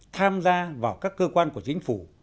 tham gia vào các cơ quan của chính phủ